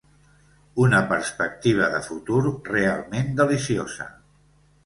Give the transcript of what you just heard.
Una perspectiva de futur realment deliciosa.